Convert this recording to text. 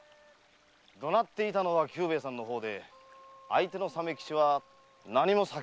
怒鳴っていたのは久兵衛さんの方で相手の鮫吉は何も叫んでいなかったんだな？